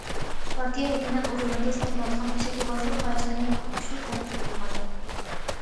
پارتىيە، ھۆكۈمەت ئورۇنلىرىدا ساقلىنىۋاتقان شەكىلۋازلىق خاھىشلىرىنى كۈچلۈك تەنقىد قىلغان.